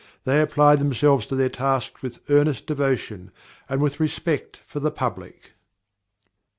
They applied themselves to their task with earnest devotion, and with respect for the public.